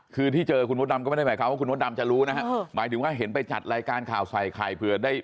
คือที่เจอคุณมดดำก็ไม่ได้หมายความว่าคุณมดดำจะรู้นะฮะหมายถึงว่าเห็นไปจัดรายการข่าวใส่ไข่เผื่อได้